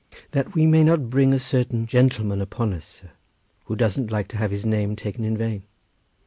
"That we may not bring a certain gentleman upon us, sir, who doesn't like to have his name taken in vain."